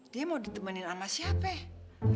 dia mau ditemenin sama siapa ya